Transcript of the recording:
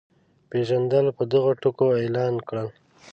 پېژندل په دغو ټکو اعلان کړل.